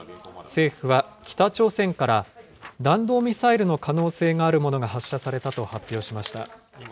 政府は北朝鮮から弾道ミサイルの可能性があるものが発射されたと発表しました。